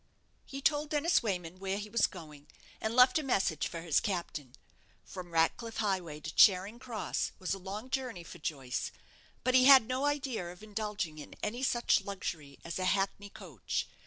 He told Dennis Wayman where he was going, and left a message for his captain. From Ratcliff Highway to Charing Cross was a long journey for Joyce; but he had no idea of indulging in any such luxury as a hackney coach.